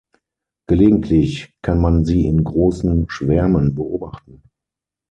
Gelegentlich kann man sie in großen Schwärmen beobachten.